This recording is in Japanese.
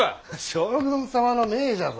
将軍様の命じゃぞ。